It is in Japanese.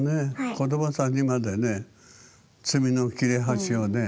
子どもさんにまでね罪の切れ端をね